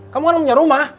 kamu kan punya rumah